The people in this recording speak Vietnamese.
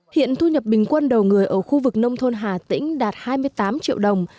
hiện thu nhập bình quân đầu người ở khu vực nông thôn hà tĩnh đạt hai mươi tám triệu đồng